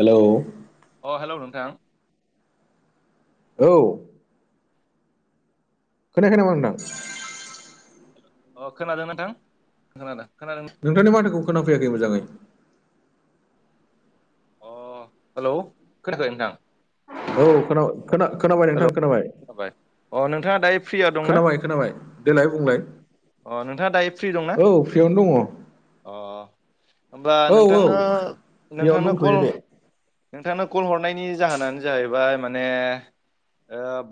हेल' अ हेल' नोंथां औ खोनायाखै नामा नोंथां अ खोनादोंना नोंथां खोनादों खोनादों नोंथांनि माथोखौ खोनाफैयाखै मोजाङै अ हेलौ खोनायाखै नोंथां औ खोना खोना खोनाबाय नोंथां खोनाबाय जाबाय अ नोंथाङा दायो फ्रियाव दंना? खोनाबाय खोनाबाय देलाय बुंलाय। अ नोंथाङा दायो फ्रि दंना औ फ्रियावनो दङ। अ होमबा औ औ नोंथांनो फ्रियावनो नोंथांनो दंथ'यो कल दे। नोंथांनो कल हरनायनि जाहोनानो जाहैबाय माने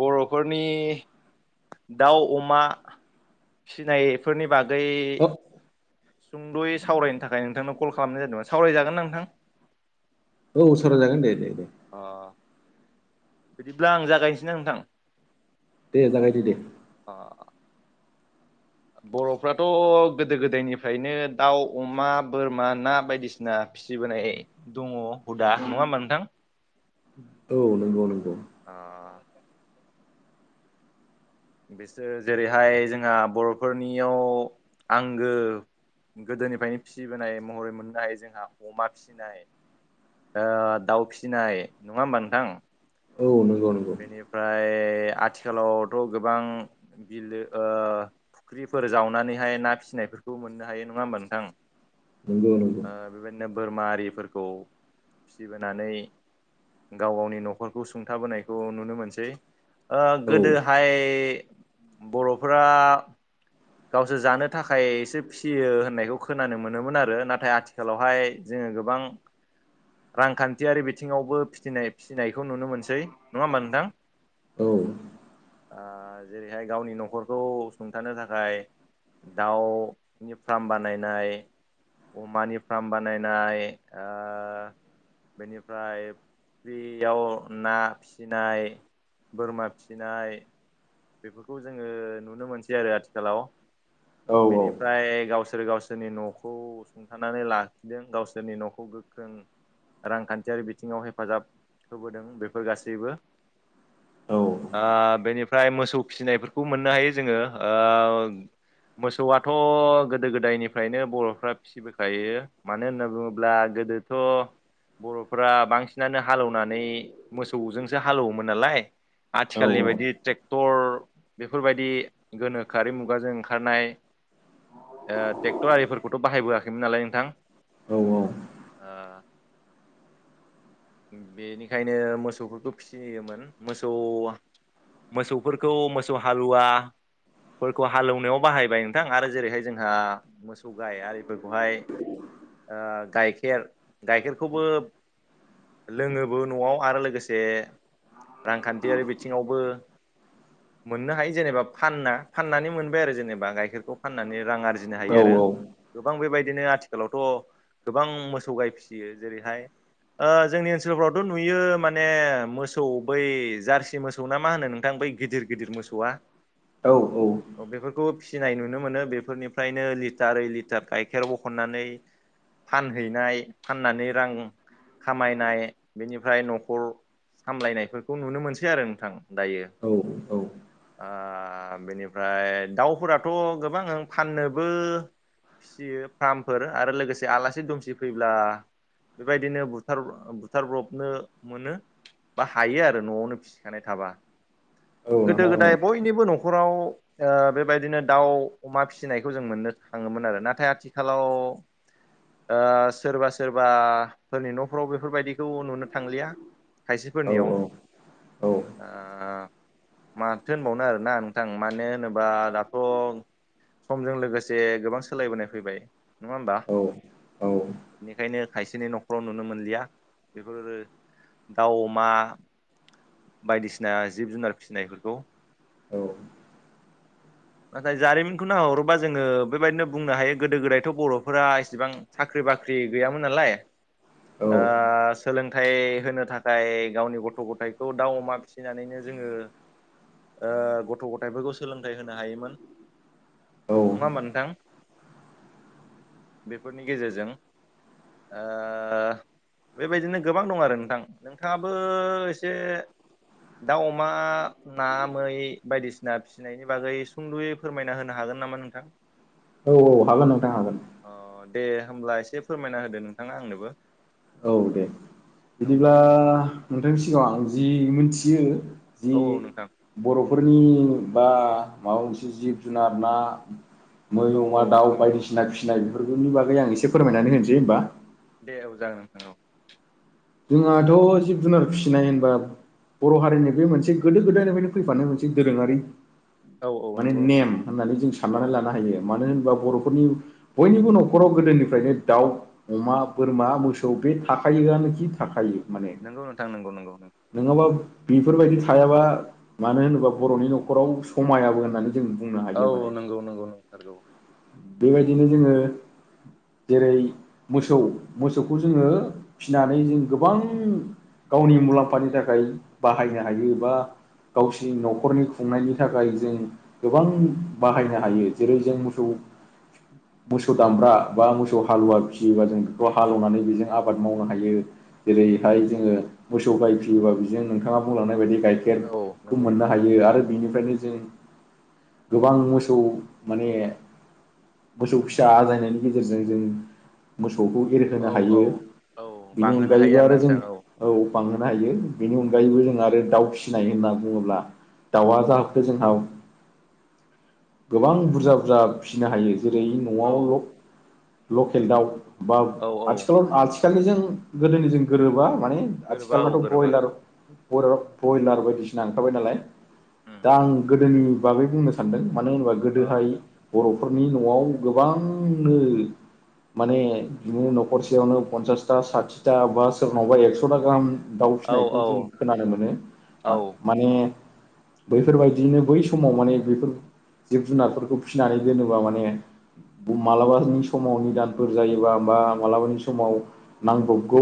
बर'फोरनि दाउ अमा फिनायफोरनि बागै अ सुंद'यै सावरायनो थाखाय नोंथांनो कल खालामनाय जादोंमोन सावरायजागोन ना नोंथां औ सावराय जागोन दे दे दे अ बिदिब्ला आं जागायनोसै ना नोंथां दे जागायदो दे अ बर'फ्राथ' गोदो गोदायनिफ्रायनो दाउ अमा बोरमा ना बायदिसिना फिसिबोनाय दङ हुदा नङा होमबा नोंथां औ नंगौ नंगौ अ बिसोर जेरैहाय जोंहा बर'फोरनियाव आंगो गोदोनिफ्रायनो फिसिबोनाय महरै मोननो हायो जोंहा अमा फिसिनाय दाउ फिसिनाय नङा होमबा नोंथां औ नंगौ नंगौ बेनिफ्राय आथिखालावथ' गोबां बिलो फुख्रिफोर जावनानैहाय ना फिसिनायफोरखौ मोननो हायो नङा होमबा नोंथां नंगौ नंगौ ओ बेबायदिनो बोरमा आरिफोरखौ फिसिबोनानै गाव गावनि न'खरखौ सुंथाबोनाय नुनो मोनसै औ गोदोहाय बर'फोरा गावसोर जानो थाखायससे फिसियो होननायखौ खोनानो मोनोमोन आरो नाथाय आथिखालावहाय जोङो गोबां [inaudible] रांखान्थियारि बिथिङावबो फिनाय फिसिनायखौ नुनो मोनसै नङा होमबा नोंथां औ जेरैहाय गावनि न'खरखौ सुंथानो थाखाय ओमफ्राय दाउनि फार्म बानायनाय अमानि फार्म बानायनाय बेनिफ्राय फ्रियाव ना फिसिनाय बोरमा फिसिनाय बेफोरखौ जोङो नुनो मोनसै आरो आथि खालाव औ बेनि फ्राय गावसोर गावसोरनि न'खौ सुंथानानै लाखिदों गावसोरनि न'खौ गोख्रों रांखान्थियारि बिथिङाव हेफाजाब होबोदों बेफोर गासैबो औ ओ बेनिफ्राय मोसौ फिसिनायफोरखौ मोननो हायो जोङो ओ मोसौआथ' गोदो गोदायनिफ्रायनो बर'फ्रा फिसिबोखायो मानो होनना बुङोब्ला गोदोथ' बर'फ्रा बांसिनानो हाल एवनानै मोसौजोंसो हालौवोमोन नालाय औ आथिखालनि बायदि टेक्टर बेफोरबायदि गोनोखोआरि मुगाजों ओंखारनाय ओ टेक्टर आरिफोरखौथ' बाहाय बोआखैमोन नालाय नोंथां। औ औ ओ बेनिखायनो मोसौफोरखौ फिसियोमोन मोसौआ मोसौफोरखौ मोसौ हालुवा फोरखौ हाल एवनायाव बाहायबाय नोंथां आरो जेरैहाय जोंहा मोसौ गाय आरिफोरखौहाय ओ गाइखेर गाइखेरखौबो लोङोबो न'वाव आरो लोगोसे रांखान्थियारि बिथिङावबो मोननो हायो जेनेबा फानना फाननानै मोनबाय आरो जेनेबा गाइखेरखौ फाननानै राङारि बुजिनो हायो औ आरो गोबां बेबायदिनो आथिखालावथ' गोबां मोसौ गाय फिसियो जेरैहाय ओ जोंनि ओनसोलफ्रावथ' नुयो माने मोसौ बै जारसि मोसौ ना मा होनो नोंथां बै गिदिर गिदिर मोसौआ औ औ औ बेफोरखौ फिसिनाय नुनो मोनो बेफोरनिफ्रायनो लिटार ओइ लिटार गाइखेर बखननानै फानहैनाय फाननानै रां खामायनाय बेनिफ्राय नखर सामलायनायफोरखौ नुनो मोनसै आरो नोंथां। दायो औ ओ बेनिफ्राय दाउफोराथ' गोबां फाननोबो फिसियो फ्रामफोर आरो लोगोसे आलासि दुमसि फैब्ला बेबायदिनो बुथार बुथारब्रबनो मोनो बा हायो आरो न'वावनो फिसिखानाय थाबा औ गोदो नोंथां गोदाय बयनिबो नखराव ओ बेबायदिनो दाउ अमा फिसिनायखौ जों मोननो थाङोमोन आरो नाथाय आथिखालाव ओ सोरबा सोरबाफोरनि न' फ्राव बेफोरबायदिखौ नुनो थांलिया औ खायसेफोरनियाव औ ओ माथो होनबावनो आरोना नोंथां मानो होनोबा दाथ' समजों लोगोसे गोबां सोलायबोनाय फैबाय नङा होमबा? औ औ बेनिखायनो खायसेनि नखराव नु नो मोनलिया बेफोर दाउ अमा बायदिसिना जिब जुनार फिसिनायफोरखौ औ [inaudible] नाथाय जारिमिनखौ नाहरोबा जोङो बेबायदिनो बुंनो हायो गोदो गोदायथ' बर'फोरा इसेबां साख्रि बाख्रि गैयामोन नालाय ओ सोलोंथाइ होनो थाखाय गावनि गथ' गथायखौ दाउ अमा फिसिनानैनो जोङो ओ गथ' गथाइफोरखौ सोलोंथाइ होनो हायोमोन औ नङा ओमबा नोंथां? बेफोरनि गेजेरजों ओ बेबायदिनो गोबां दं आरो नोंथां नोंथाङाबो एसे दाउ अमा ना मै बायदिसिना फिसिनायनि बागै सुंद'यै फोरमायना होनो हागोन नामा नोंथां? औ औ हागोन नोंथां हागोन। अ दे होमब्ला एसे फोरमायना होदो नोंथाङा आंनोबो औ दे औ बिदिब्ला नोंथांनि सिगाङाव आं जि मिथियो जि औ औ नोंथां बर'फोरनि बा माबा मोनसे जिब जुनार ना मै औ अमा औ दाउ नोंथां औ बायदिसिना फिसिनाय बेफोरनि बागै आं एसे फोरमायनानै होनोसै होनबा? दे औ जागोन नोंथां औ जोंहाथ' जिब जुनार फिसिनाय होनबा। बर' हारिनि बे मोनसे गोदो गोदायनिफ्रायनो फैफानो मोनसे दोरोङारि। औ औ माने नंगौ नोंथां नेम होननानै जों औ साननानै लानो हायो मानो होनोबा बर'फोरनि बयनिबो न'खराव गोदोनिफ्रायनो दाउ अमा बोरमा मोसौ बे थाखायोआनोखि। थाखायो माने नोंगौ नोंथां नोंगौ नोंगौ नङाबा बेफोरबायदि थायाबा मानो होनोब्ला बर'नि न'खराव समायाबो होननानै। जों बुंनो हायो माने औ नंगौ नंगौ नंथारगौ बेबायदिनो जोङो। जेरै मोसौ मोसौखौ जोङो फिनानै जों गोबां गावनि मुलाम्फानि थाखाय बाहायनो हायोबा गावसिनि न'खरनि खुंनायनि थाखाय जों गोबां औ बाहायनो औ हायो जेरै जों मोसौ मोसौ दामब्रा बा मोसौ हालुवा फिसियोबा जों उम बेखौ उम हालेवनानै बेजों आबाद मावनो हायो। जेरैहाय जोङो मोसौ गायफियोबा बिजों नोंथाङा बुंलांनाय बायदि गाय केट औ खौ नंगौ मोननो नंगौ हायो आरो बेनिफ्रायनो जों गोबां मोसौ माने मोसौ फिसा आजायनायनि गेजेरजों जों मोसौखौ औ एरहोनो औ हायो औ बेनि अनग बांहोनो नि हायो आरोना नोंथां औ ज फिनाय होनना बुङोब्ला दाउआ जाहोबखो जोंनाव गोबां बुरजा बुरजा फिसिनो हायो जेरै औ न'आव लकेल दाउ बा औ औ आथिखालाव आथिखालजों गोदोनि ज गोरोबा माने गोरोबा औ आथिखालनाथ' गोरोबा ब्रयलार। औ ह ब्रयलार बायदिसिना ओंखारबाय नालाय उम दा आं गोदोनि बागै बुंनो सानदों मानो होनोबा अ गोदोहाय बर'फोरनि न'आव गोबांनो माने बिदिनो न'खरसेयावनो पनसासथा साथि फथा बा सोरनावबा एकस'था गाहाम दाउ औ फिसिनायखौ जों औ खोनानो मोनो। औ माने बैफोरबायदियनो बै समाव माने बेफोर जिब जुनारफोरखौ फिसिनानै दोनोबा माने मालाबानि समाव निदानफोर जायोबा बा मालाबानि समाव नांगौ। ग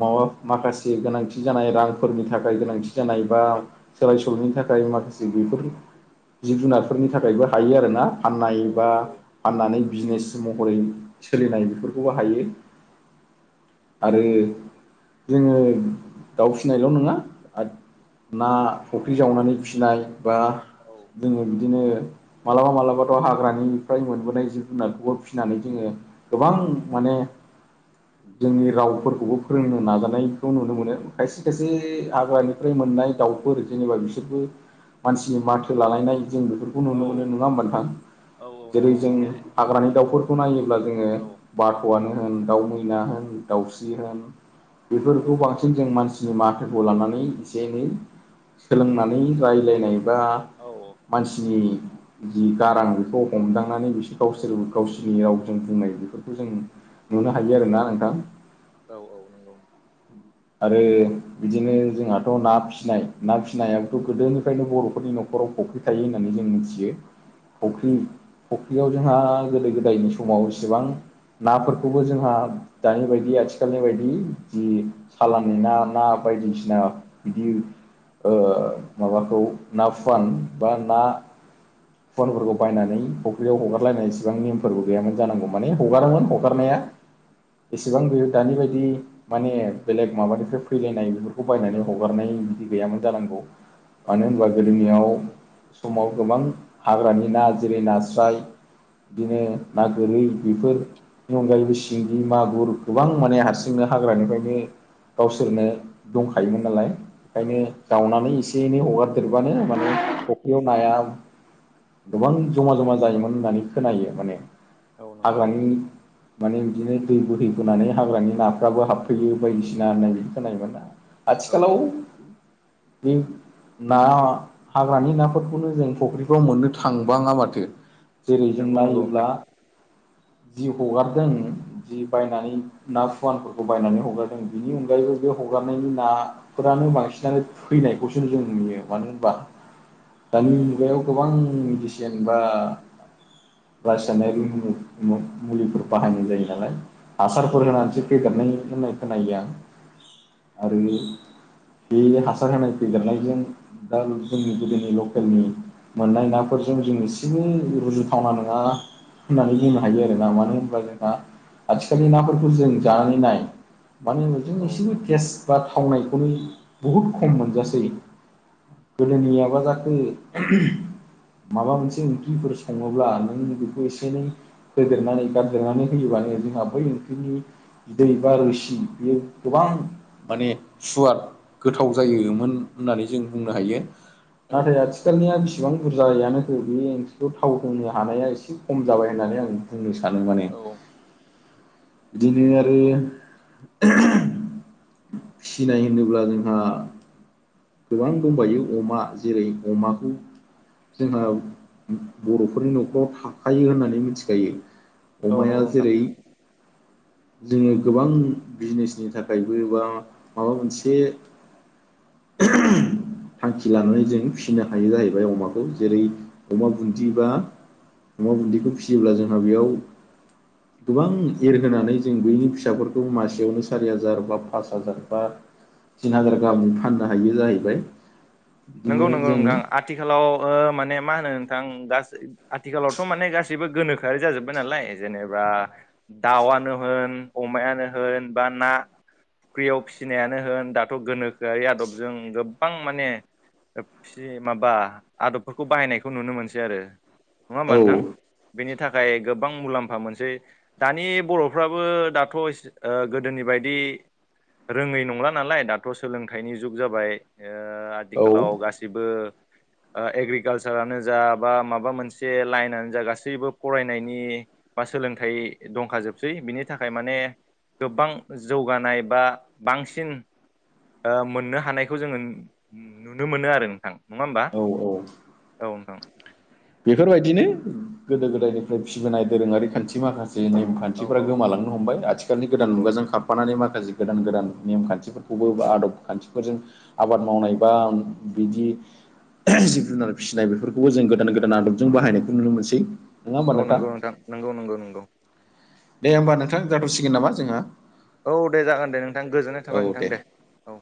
मा माखासे गोनांथि जानाय रांफोरनि थाखाय गोनांथि जानाय बा। सोलाय सोल'नि थाखाय माखासे बेफोर जिब जुनारफोरनि थाखायबो हायो आरोना। फाननाय बा फाननानै बिजनेस महरै सोलिनाय बेफोरखौबो हायो। आरो जोङो दाउ फिनायल' नङा ना फुख्रि जावनानै फिनाय बा औ जोङो बिदिनो। माब्लाबा मालाबाथ' हाग्रानिफ्राय मोनबोनाय जिब जुनारखौबो फिनानै जोङो। गोबां माने जोंनि रावफोरखौबो फोरोंनो नाजानायखौ नुनो मोनो खायसे खायसे हाग्रानि फ्राय मोननाय दाउफोर जेनेबा बिसोरबो मानसिनि माथो लालायनाय जों बे बेखौ औ नुनो मोनो नङा होमबथां औ जेरै नंगौ जों हाग्रानि दाउफोरखौ नायोब्ला जोङो औ बाथ'आनो होन दाउ मैना होन दाउस्रि होन बेफोरखौ बांसिन जों मानसिनि माफोरखौ लानानै एसे एनै सोलोंनानै राय्लायनाय बा औ मानसिनि जि गारां बेखौ हमदांनानै बिसोर गावसोर गावसोरनि रावजों बुंनाय बेफोरखौ जों नुनो हायो आरोना नोंथां औ औ नंगौ आरो बिदिनो जोंहाथ' ना फिसिनाय ना फिसिनायाबथ' गोदोनिफ्रायनो बर'फोरनि न'खर न'खराव फख्रि थायो होननानै जों मिथियो। फख्रि फुख्रियाव जोंहा गोदो गोदायनि समाव एसेबां नाफोरखौबो जोंहा दानि बायदि आथिखालनि बायदि जि साालनि ना ना बायदिसिना बिदि ओ माबाखौ ना फुवान बा ना फनफोरखौ बायनानै फुख्रियाव हगारलायनानै इसेबां नेमफोरबो गैयामोन जानांगौमोन। माने हगारोमोन नंगौ नंगौ हगारनाया एसेबां बेयो दानि बायदि माने बेलेग माबानिफ्राय फैलायनाय बेफोरखौ औ बायनानै हगारनाय बिदि गैयामोन जानांगौ। औ मानो होनबा गोदोनियाव समाव गोबां हाग्रानि ना जेरै नास्राय बिदिनो ना गोरै बेफोर बेनि अनगायैबो सिंगि मागुर गोबां माने हारसिंनो हाग्रानिफ्रायनो गावसोरनो दंखायोमोन नालाय औ ओंखायनो दावनानै एसे एसे एनै हगारदेरबानो माने फुख्रियाव नाया गोबां जमा जमा जायोमोन होननानै खोनायो माने औ नंगौ हाग्रानि नोंथां माने बिदिनो दै बोहैबोनानै हाग्रानि नाफ्राबो हाबफैयो। बायदिसिना होननाय खोनायोमोना औ आथिखालाव औ ना हाग्रानि नाफोरखौनो जों फुख्रिफ्राव मोननो थांबाङा माथो। जेरै जों नंगौ नंगौ नोंथां नायोब्ला जि हगारदों जि बायनानै ना फुवानफोरखौ बायनानै हगारदों। जों बिनि अनगायैबो बे हगारनायनि ना फोरानो बांसिनानो फैनायखौसो जों नुयो मानो होनबा दानि मुगायाव गोबां मेडिसिन बा बासिानाय र मुलिफोर बाहायनाय जायो नालाय। हासारफोर नंगौ नंगौ होनानैसो नोंथां फेदेरनाय होननाय खोनायो आं आरो बे हासार होनाय फैदेरनायजों दा जोंनि गोदोनि लकेलनि मोननाय नाफोरजों जों एसेनो रुजुथावना नङा। होननानै बुंनो हायो आरो ना मानो होनबब्ला जोंहा आथिखालनि नाफोरखौ जों जानानै नाय मानो होनोबो जों औ एसेबो टेस्ट बा थावनायखौनो बुहुद खम मोनजासै। गोदोनियाबा जाखोयो माबा मोनसे ओंख्रिफोर सङोब्ला नों बेखौ एसे एनै होेदेरनानै गारदेरनानै होयोबानो जोंहा बै ओंख्रिनिदै बा रोसि बियो गोबां माने सुवार गोथाव जायोमोन होननानै जों बुंनो हायो औ नाथाय औ आथिखालाव सिथिखालनिया बेसिबां बुरजायानो हो बे ओंख्रिखौ थाव होनो हानाया एसे खम जाबाय होननानै आं बुंनो सानो माने औ बिदिनो आरो फिनाय होनोब्ला जोंहा गोबां दंबायो अमा जेरै अमाखौ जोंहा बर'फोरनि न'खराव थाखायो होननानै मिथिखायो। औ अमाया नंगौ नोंथां जेरै जोंनि गोबां बिजनेसनि थाखायबो बा माबा मोनसे थांखि लानानै जों फिसिनो हायो जाहैबाय अमाखौ जेरै अमा बुन्दि बा अमा गुन्दैखौ फिसियोब्ला जोंहा बेयाव गोबां एरहोनानै जों बैनि फिसाफोरखौ मासे बेयावनो सारि हाजार बा पास हाजार बा थिन हाजार गाहामनि फाननो हायो जाहैबाय। बिदिनो नंगौ नंगौ जों नोंथां आथिखालाव ओ माने मा होनो नोंथां गासै आथिखालावथ' माने गासैबो गोनोखोआरि जाजोब्बाय नालाय जेनेबा दाउआनो होन अमायानो होन बा ना फुख्रियाव फिसिनायानो होन दाथ' गोनोखोआरि आदबजों गोबां माने फ माबा आदबफोरखौ बाहायनायखौ नुनो मोनसै आरो नङा होमबा औ नोंथां। बेनि थाखाय गोबां मुलाम्फा मोनसे दानि बर'फ्राबो दाथ' गोदोनि बायदि रोङै नंला नालाय दाथ' सोलोंथाइनि जुग जाबाय औ आथिखालाव गाससिबो जसिबो एग्रिकालसारानो जा बा माबा मोनसे लाइनानो जा गासैबो फरायनायनि बा सोलोंथाइ दंखाजोबसै बिनि थाखाय माने गोबां जौगानाय बा बांसिन मोननो हानायखौ जोङो नुनो मोनो आरो नोंथां नङा होमबा औ औ औ नोंथां। बेफोरबायदिनो गोदो गोदायनिफ्राय फिबोनाय दोरोङारि खान्थि माखासे नेम औ खान्थिफ्रा औ गोमालां नो हमबाय आथिखालनि गोदान औ मुगाजों खाबफानानै माखासे गोदान गोदान नेम खान्थिफोरखौबो बा आदब खान्थिफोरजों आबाद मावनाय बा बिदि जिब जुनार फिसिनाय बेफोरखौबो जों गोदान गोदान। दोन आदबजों बाहायनायखौ नुनो मोनसै औ नंगौ नोंथां नंगौ नंगौ नंगौ। दे होमबा नोंथां जाथावसिगोन नामा जोङो औ दे जागोन दे नोंथां गोजोननाय थाबाय नोंथां दे। औ